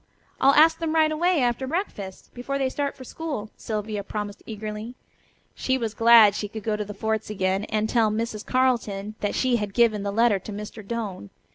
"I'll ask them right away after breakfast, before they start for school," Sylvia promised eagerly. She was glad that she could go to the forts again, and tell Mrs. Carleton that she had given the letter to Mr. Doane.